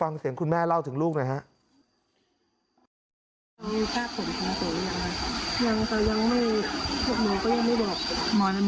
ฟังเสียงคุณแม่เล่าถึงลูกหน่อยฮะ